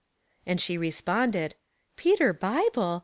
And she responded, " Peter Bible